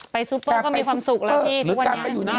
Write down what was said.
ไปซูเปอร์ก็มีความสุขแล้ว